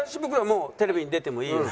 もうテレビに出てもいいの？